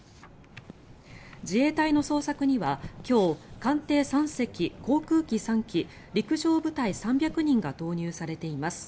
自衛隊の捜索には今日、艦艇３隻、航空機３機陸上部隊３００人が投入されています。